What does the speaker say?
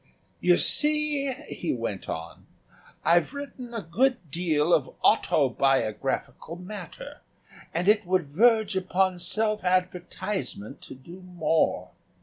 "You see," he went on, "I've written a good deal of autobiographical matter and it would verge upon self advertisement to do more.